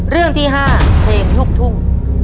เรื่องที่๕เพลงลูกทุ่ง